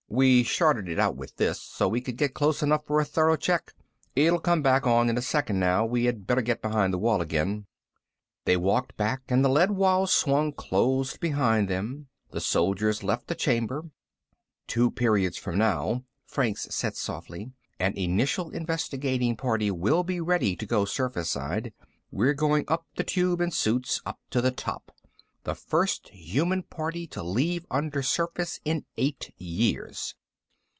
"We shorted it out with this, so we could get close enough for a thorough check. It'll come back on in a second now. We had better get behind the wall again." They walked back and the lead wall swung closed behind them. The soldiers left the chamber. "Two periods from now," Franks said softly, "an initial investigating party will be ready to go surface side. We're going up the Tube in suits, up to the top the first human party to leave undersurface in eight years."